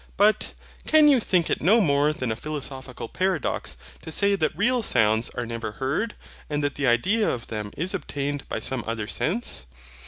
But, can you think it no more than a philosophical paradox, to say that REAL SOUNDS ARE NEVER HEARD, and that the idea of them is obtained by some other sense?